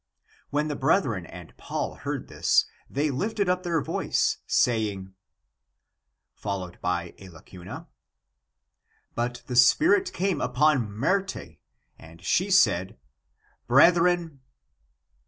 When the brethren and Paul heard this, they lifted up their voice, saying: ... But the spirit came upon Myrte, and she said :" Brethren